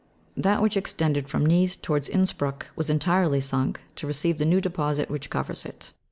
That which extended from Nice towards Inspruck was entirely sunk, to receive the new deposit which covers it.